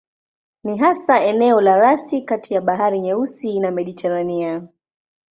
Ni hasa eneo la rasi kati ya Bahari Nyeusi na Mediteranea.